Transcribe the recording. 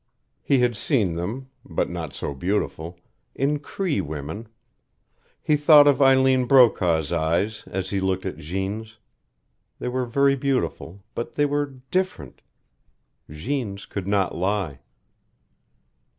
He had seen them, but not so beautiful, in Cree women. He thought of Eileen Brokaw's eyes as he looked at Jeanne's. They were very beautiful, but they were DIFFERENT. Jeanne's could not lie.